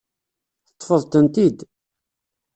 Teṭṭfeḍ-tent-id?